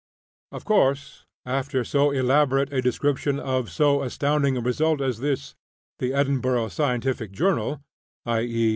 Of course, after so elaborate a description of so astounding a result as this, the "Edinburg Scientific Journal" (_i. e.